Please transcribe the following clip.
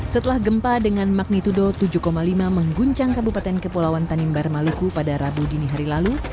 setelah gempa dengan magnitudo tujuh lima mengguncang kabupaten kepulauan tanimbar maluku pada rabu dini hari lalu